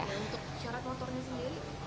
untuk syarat motornya sendiri